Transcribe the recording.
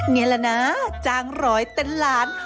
นี่แหละนะจ้างร้อยเป็นล้าน